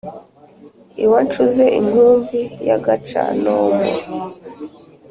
iwa ncuze-inkumbi ya caca-nombo